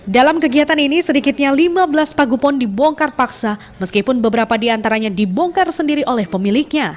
dalam kegiatan ini sedikitnya lima belas pagupon dibongkar paksa meskipun beberapa di antaranya dibongkar sendiri oleh pemiliknya